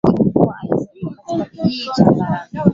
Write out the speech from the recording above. Shughuli za kitafiti ni mahala sahihi zaidi pa kufanyia ni jozani